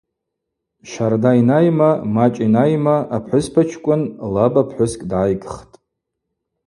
Щарда йнайма, мачӏ йнайма – апхӏвыспачкӏвын лаба пхӏвыскӏ дгӏайгхтӏ.